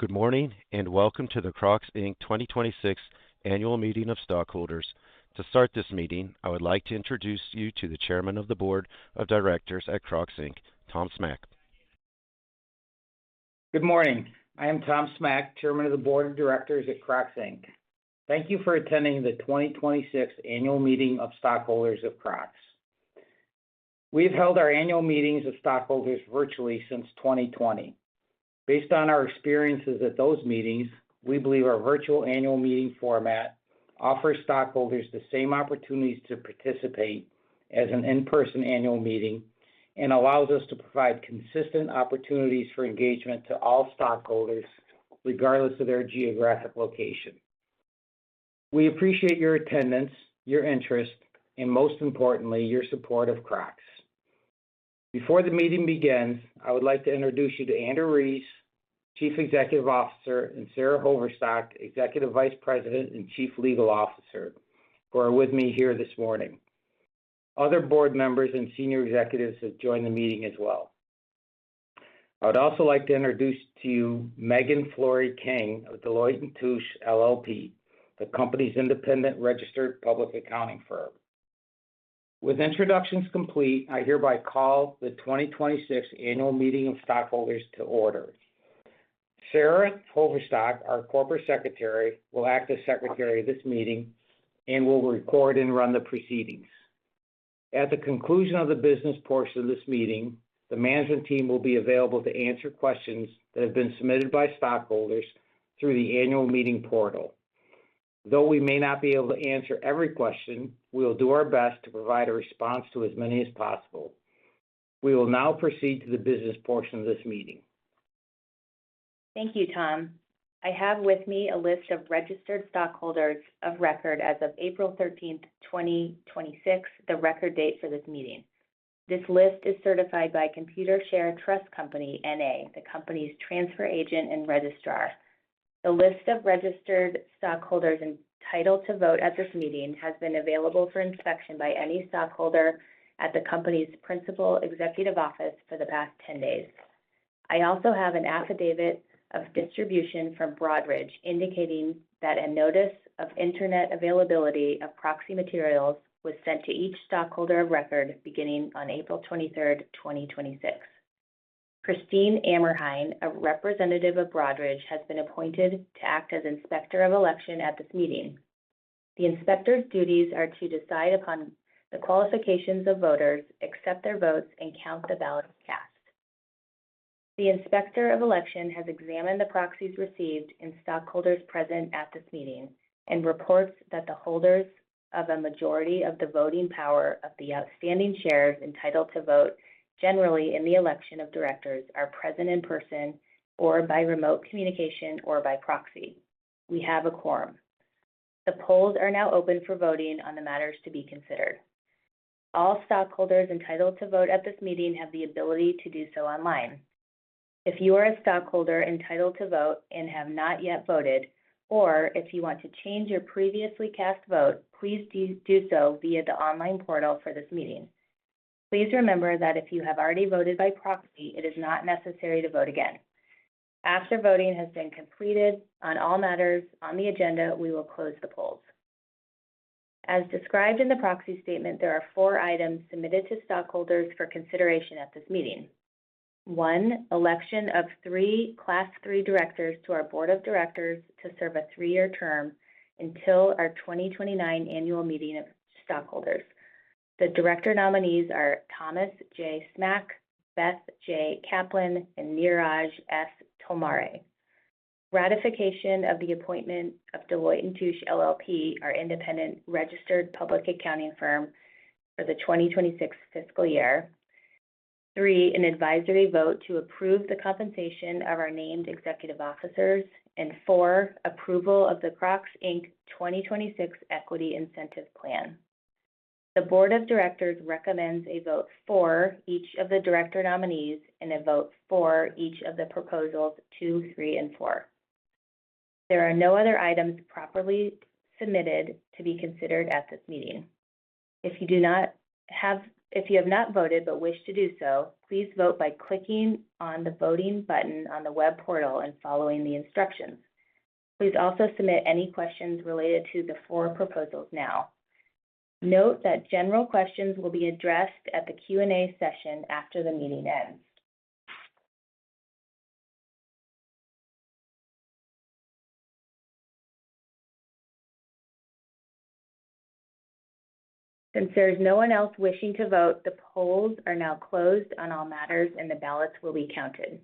Good morning, welcome to the Crocs, Inc. 2026 Annual Meeting of Stockholders. To start this meeting, I would like to introduce you to the Chairman of the Board of Directors at Crocs, Inc., Tom Smach. Good morning. I am Tom Smach, Chairman of the Board of Directors at Crocs, Inc. Thank you for attending the 2026 Annual Meeting of Stockholders of Crocs. We have held our annual meetings of stockholders virtually since 2020. Based on our experiences at those meetings, we believe our virtual annual meeting format offers stockholders the same opportunities to participate as an in-person annual meeting and allows us to provide consistent opportunities for engagement to all stockholders, regardless of their geographic location. We appreciate your attendance, your interest, and most importantly, your support of Crocs. Before the meeting begins, I would like to introduce you to Andrew Rees, Chief Executive Officer, and Sara Hoverstock, Executive Vice President and Chief Legal Officer, who are with me here this morning. Other board members and senior executives have joined the meeting as well. I would also like to introduce to you Megan Flori King of Deloitte & Touche LLP, the company's independent registered public accounting firm. With introductions complete, I hereby call the 2026 Annual Meeting of Stockholders to order. Sara Hoverstock, our corporate secretary, will act as secretary of this meeting and will record and run the proceedings. At the conclusion of the business portion of this meeting, the management team will be available to answer questions that have been submitted by stockholders through the annual meeting portal. Though we may not be able to answer every question, we will do our best to provide a response to as many as possible. We will now proceed to the business portion of this meeting. Thank you, Tom. I have with me a list of registered stockholders of record as of April 13th, 2026, the record date for this meeting. This list is certified by Computershare Trust Company, N.A., the company's transfer agent and registrar. I also have an affidavit of distribution from Broadridge indicating that a notice of internet availability of proxy materials was sent to each stockholder of record beginning on April 23rd, 2026. Christine Amrhein, a representative of Broadridge, has been appointed to act as Inspector of Election at this meeting. The inspector's duties are to decide upon the qualifications of voters, accept their votes, and count the ballots cast. The Inspector of Election has examined the proxies received and stockholders present at this meeting and reports that the holders of a majority of the voting power of the outstanding shares entitled to vote generally in the election of directors are present in person or by remote communication or by proxy. We have a quorum. The polls are now open for voting on the matters to be considered. All stockholders entitled to vote at this meeting have the ability to do so online. If you are a stockholder entitled to vote and have not yet voted, or if you want to change your previously cast vote, please do so via the online portal for this meeting. Please remember that if you have already voted by proxy, it is not necessary to vote again. After voting has been completed on all matters on the agenda, we will close the polls. As described in the proxy statement, there are four items submitted to stockholders for consideration at this meeting. One, election of three Class III directors to our Board of Directors to serve a three-year term until our 2029 Annual Meeting of Stockholders. The director nominees are Thomas J. Smach, Beth J. Kaplan, and Neeraj S. Tolmare. Ratification of the appointment of Deloitte & Touche LLP, our independent registered public accounting firm for the 2026 fiscal year. Three, an advisory vote to approve the compensation of our named executive officers. Four, approval of the Crocs Inc. 2026 Equity Incentive Plan. The Board of Directors recommends a vote for each of the director nominees and a vote for each of the proposals two, three, and four. There are no other items properly submitted to be considered at this meeting. If you have not voted but wish to do so, please vote by clicking on the voting button on the web portal and following the instructions. Please also submit any questions related to the four proposals now. Note that general questions will be addressed at the Q&A session after the meeting ends. Since there is no one else wishing to vote, the polls are now closed on all matters, and the ballots will be counted.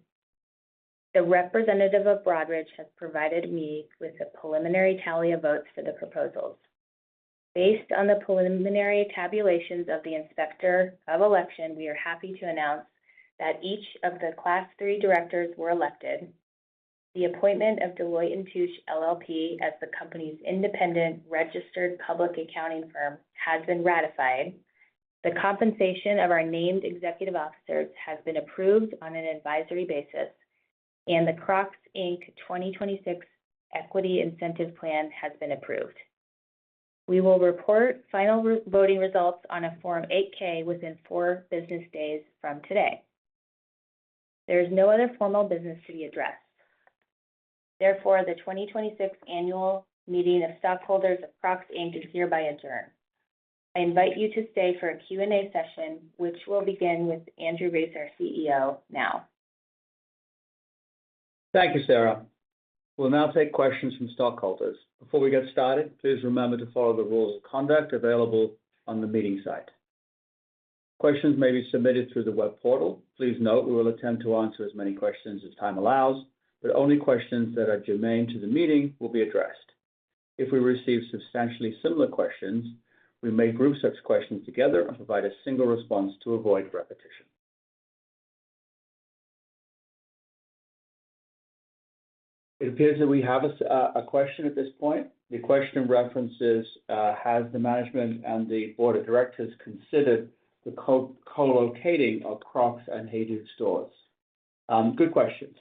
The representative of Broadridge has provided me with a preliminary tally of votes for the proposals. Based on the preliminary tabulations of the Inspector of Election, we are happy to announce that each of the Class III directors were elected. The appointment of Deloitte & Touche LLP as the company's independent registered public accounting firm has been ratified. The compensation of our named executive officers has been approved on an advisory basis, and the Crocs Inc. 2026 Equity Incentive Plan has been approved. We will report final voting results on a Form 8-K within four business days from today. There is no other formal business to be addressed. The 2026 annual meeting of stockholders of Crocs, Inc. is hereby adjourned. I invite you to stay for a Q&A session, which will begin with Andrew Rees, our CEO, now. Thank you, Sara. We'll now take questions from stockholders. Before we get started, please remember to follow the rules of conduct available on the meeting site. Questions may be submitted through the web portal. Please note we will attempt to answer as many questions as time allows, but only questions that are germane to the meeting will be addressed. If we receive substantially similar questions, we may group such questions together and provide a single response to avoid repetition. It appears that we have a question at this point. The question references, "Has the management and the board of directors considered the co-locating of Crocs and HEYDUDE stores?" Good question.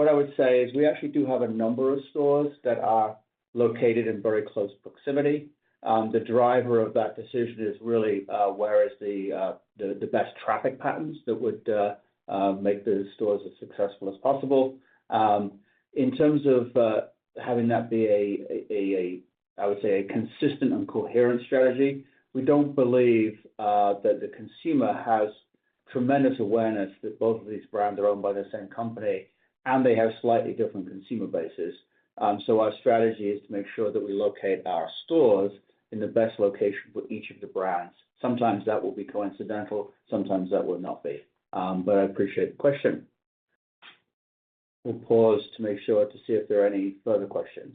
What I would say is we actually do have a number of stores that are located in very close proximity. The driver of that decision is really where is the best traffic patterns that would make those stores as successful as possible. In terms of having that be, I would say, a consistent and coherent strategy, we don't believe that the consumer has tremendous awareness that both of these brands are owned by the same company, and they have slightly different consumer bases. Our strategy is to make sure that we locate our stores in the best location for each of the brands. Sometimes that will be coincidental, sometimes that will not be. I appreciate the question. We'll pause to make sure to see if there are any further questions.